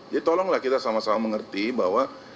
jadi tolonglah kita sama sama mengerti bahwa